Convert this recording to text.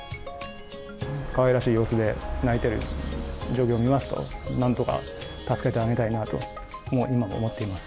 かわいらしい様子で鳴いている状況を見ますと、なんとか助けてあげたいなと、今も思ってます。